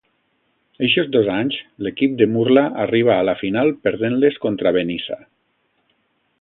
Eixos dos anys l’equip de Murla arriba a la final perdent-les contra Benissa.